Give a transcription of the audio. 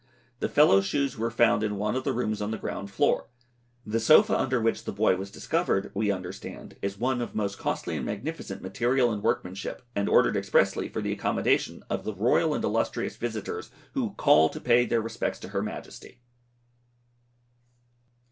The fellow's shoes were found in one of the rooms of the ground floor. The sofa under which the boy was discovered, we understand, is one of most costly and magnificent material and workmanship, and ordered expressly for the accommodation of the royal and illustrious visitors who call to pay their respects to her Majesty.